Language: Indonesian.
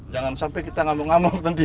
jangan sampai kita ngamuk ngamuk nanti